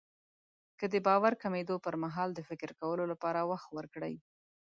که د باور کمېدو پرمهال د فکر کولو لپاره وخت ورکړئ.